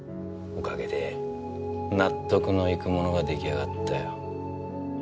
おかげで納得のいくものが出来上がったよ。